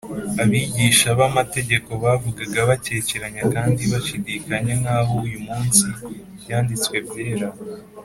abigisha b’amategeko bavugaga bakekeranya kandi bashidikanya nk’aho uyu munsi ibyanditswe byera